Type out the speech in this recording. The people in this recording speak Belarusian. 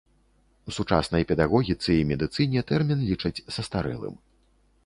У сучаснай педагогіцы і медыцыне тэрмін лічаць састарэлым.